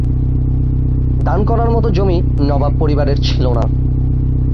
দান করার মতো জমি নবাব পরিবারের ছিলো না।